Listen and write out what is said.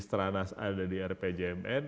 seteranas ada di rpjmn